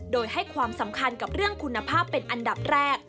โดยให้ความสำคัญกับเรื่องคุณภาพเป็นอันดับแรก